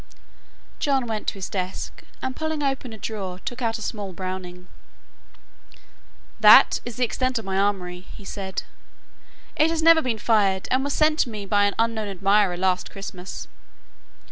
John went to his desk and, pulling open a drawer, took out a small Browning. "That is the extent of my armory," he said, "it has never been fired and was sent to me by an unknown admirer last Christmas."